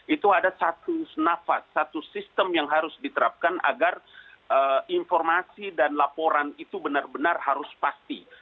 itu ada satu nafas satu sistem yang harus diterapkan agar informasi dan laporan itu benar benar harus pasti